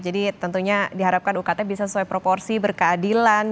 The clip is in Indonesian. jadi tentunya diharapkan ukt bisa sesuai proporsi berkeadilan